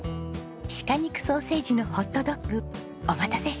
鹿肉ソーセージのホットドッグお待たせしました。